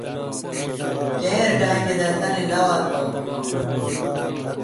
کییر ٹنگ داگی تانی لاوار پا گی واں۔